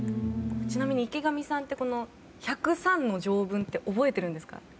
ちなみに、池上さんって１０３の条文って覚えているんですか？